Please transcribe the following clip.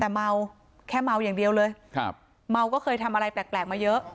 แต่เมาแค่เมาอย่างเดียวเลยครับเมาก็เคยทำอะไรแปลกมาเยอะ